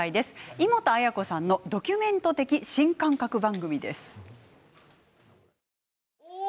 イモトアヤコさんのドキュメント的新感覚番組です。